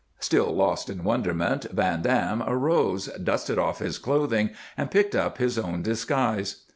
Still lost in wonderment, Van Dam arose, dusted off his clothing, and picked up his own disguise.